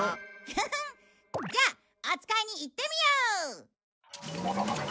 フフッじゃあおつかいに行ってみよう！